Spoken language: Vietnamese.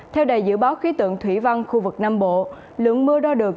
theo đài dự báo khí tượng thủy văn khu vực nam bộ lượng mưa đo được